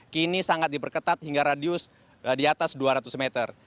kini sangat diperketat hingga radius di atas dua ratus meter